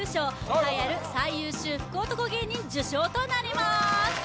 栄えある最優秀福男芸人受賞となります